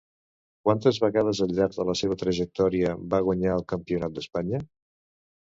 Quantes vegades al llarg de la seva trajectòria va guanyar el Campionat d'Espanya?